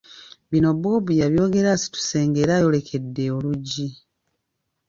Bino Bob yabyogera asituse ng’era ayolekedde oluggi.